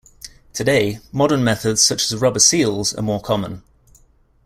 Today, modern methods, such as rubber seals, are more common.